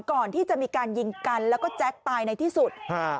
ก่อนที่จะมีการยิงกันแล้วก็แจ๊คตายในที่สุด